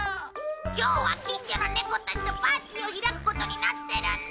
今日は近所のネコたちとパーティーを開くことになってるんだ。